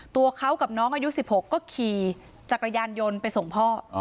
ตัวเขากับน้องอายุ๑๖ก็ขี่จักรยานยนต์ไปส่งพ่อ